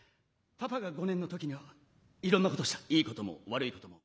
パパが５年の時にはいろんなことをしたいいことも悪いことも。